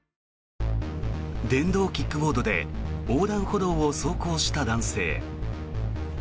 電動キックボードで横断歩道を走行した男性。